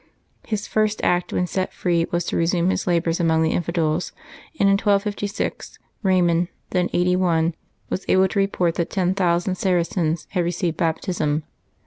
His first act when set free was to resume his labors among the infidels, and in 1256 Eaymund, then eighty one, was able to report that ten thousand Saracens had received Baptism.